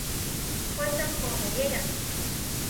開心過每一日